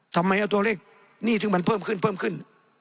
ทำไมเอาตัวเลขหนี้ถึงมันเพิ่มขึ้นเพิ่มขึ้น